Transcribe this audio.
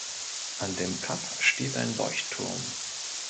An dem Kap steht ein Leuchtturm.